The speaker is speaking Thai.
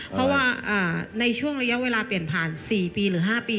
เพราะว่าในช่วงระยะเวลาเปลี่ยนผ่าน๔ปีหรือ๕ปี